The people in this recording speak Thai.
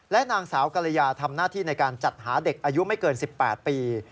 นางสาวกรยาทำหน้าที่ในการจัดหาเด็กอายุไม่เกิน๑๘ปี